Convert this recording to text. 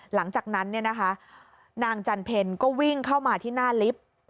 หลังจากนั้นนางจันเพ็ญก็วิ่งเข้ามาที่หน้าลิฟต์